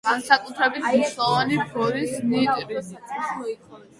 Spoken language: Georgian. განსაკუთრებით მნიშვნელოვანია ბორის ნიტრიდი.